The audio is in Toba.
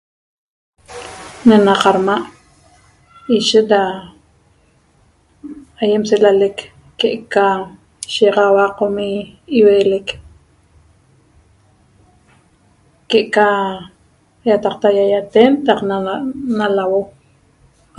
Ne'ena qarma' ishet ra aiem selalec que'eca shigaxaua qomi' iueelec que'eca iataqta iaiaten taq nalauo